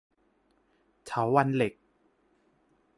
เถาวัลย์เหล็ก